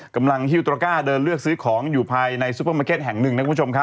กำลังฮิวตรก้าเดินเลือกซื้อของอยู่ภายในซูเปอร์มาเก็ตแห่งหนึ่ง